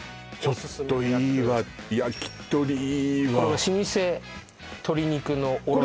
ちょっといいわ焼き鳥いいわ老舗鶏肉の卸の直営